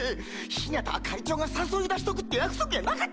ヒナタは会長が誘い出しとくって約束やなかったんか！